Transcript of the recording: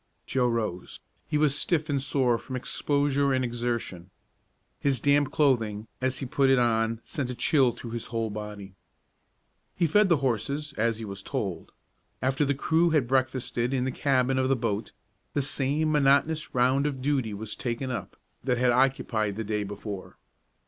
Joe rose. He was stiff and sore from exposure and exertion. His damp clothing, as he put it on, sent a chill through his whole body. He fed the horses, as he was told. After the crew had breakfasted in the cabin of the boat, the same monotonous round of duty was taken up that had occupied the day before.